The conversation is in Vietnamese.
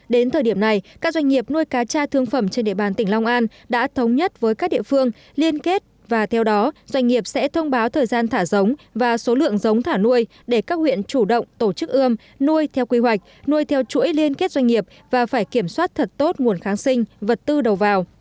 đến thời điểm này các doanh nghiệp nuôi cá cha thương phẩm trên địa bàn tỉnh long an đã thống nhất với các địa phương liên kết và theo đó doanh nghiệp sẽ thông báo thời gian thả giống và số lượng giống thả nuôi để các huyện chủ động tổ chức ươm nuôi theo quy hoạch nuôi theo chuỗi liên kết doanh nghiệp và phải kiểm soát thật tốt nguồn kháng sinh vật tư đầu vào